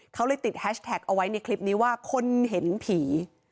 เขาเลยติดแฮชแท็กเอาไว้ในคลิปนี้ว่าคนเห็นผี